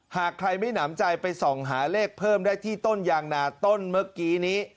หากใครไม่หนำใจไปส่องหาเลขเพิ่มได้ที่ต้นยางนาต้นเมื่อกี้นี้